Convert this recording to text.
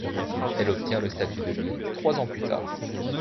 Elle obtient le statut de ville trois ans plus tard.